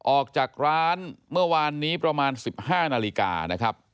ออกจากร้านเมื่อวานนี้ประมาณ๑๕นาฬิกานะครับ